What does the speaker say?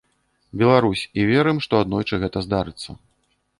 Беларусь і верым, што аднойчы гэта здарыцца.